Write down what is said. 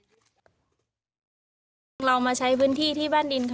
ซึ่งอาสาสมัครทุกคนนะครับก็จะได้เรียนรู้การใช้ชีวิตความเป็นอยู่